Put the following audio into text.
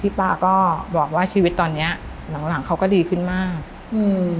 ป๊าก็บอกว่าชีวิตตอนเนี้ยหลังหลังเขาก็ดีขึ้นมากอืม